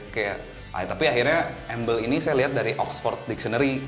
kayak tapi akhirnya embel ini saya lihat dari oxford dictionary